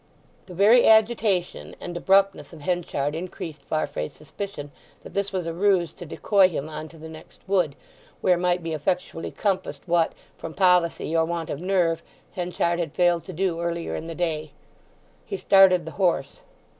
The very agitation and abruptness of Henchard increased Farfrae's suspicion that this was a ruse to decoy him on to the next wood, where might be effectually compassed what, from policy or want of nerve, Henchard had failed to do earlier in the day. He started the horse.